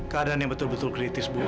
keadaan yang betul betul kritis bu